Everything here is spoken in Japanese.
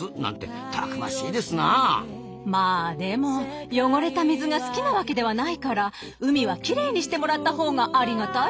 まあでも汚れた水が好きなわけではないから海はきれいにしてもらったほうがありがたいわ。